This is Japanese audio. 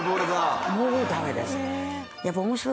もうダメです。